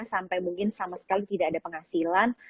sampai mungkin sama sekali tidak ada penghasilan